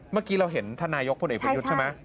เมื่อกี้เราเห็นธานายกพี่พุทธอีกมึงอยู่ใช่ไหม